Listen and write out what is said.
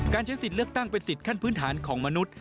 ใช้สิทธิ์เลือกตั้งเป็นสิทธิขั้นพื้นฐานของมนุษย์